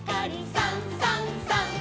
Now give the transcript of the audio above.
「さんさんさん」